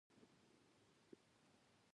ستن یې ګوتو کې نڅیږي